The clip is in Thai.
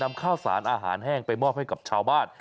ข้าวสารอาหารแห้งไปมอบให้กับชาวบ้าน